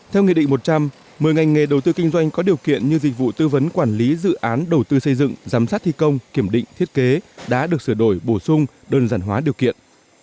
theo nghị định một trăm một mươi ngành nghề đầu tư kinh doanh có điều kiện như dịch vụ tư vấn quản lý dự án đầu tư xây dựng giám sát thi công kiểm định thiết kế đã được sửa đổi bổ sung đơn giản hóa điều kiện